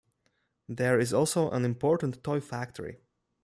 There is also an important toy factory.